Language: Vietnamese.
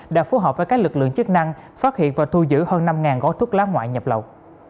đã phối hợp với các lực lượng chức năng phát hiện và thu giữ hơn năm gói thuốc lá ngoại nhập lậu